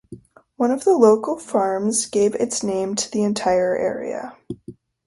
One of the local farms gave its name to the entire area.